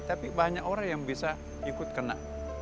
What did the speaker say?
tapi banyak orang yang bisa ikut kena